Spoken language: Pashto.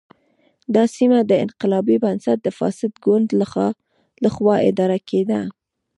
دا سیمه د انقلابي بنسټ د فاسد ګوند له خوا اداره کېده.